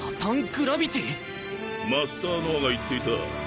マスター・ノアが言っていた。